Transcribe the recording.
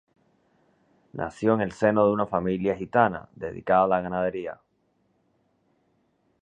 Nació en el seno de una familia gitana dedicada a la ganadería.